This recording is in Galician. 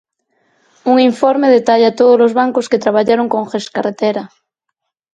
Un informe detalla tódolos bancos que traballaron con Gescartera